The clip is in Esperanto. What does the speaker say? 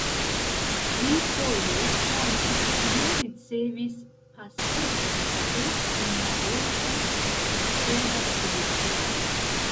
Trifoje tamen ne ricevis pasporton pro kunlaboro kun subtera "Solidareco".